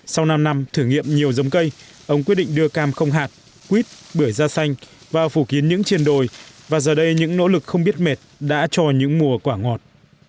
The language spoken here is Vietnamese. sau năm năm thử nghiệm nhiều giống cây ông quyết định đưa cam không hạt quýt bưởi da xanh vào phủ kiến những triền đồi và giờ đây những nỗ lực không biết mệt đã trò những mùa quả ngọt